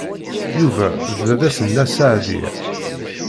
Yuba d baba-s n Nna Seɛdiya.